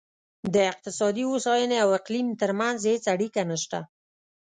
د اقتصادي هوساینې او اقلیم ترمنځ هېڅ اړیکه نشته.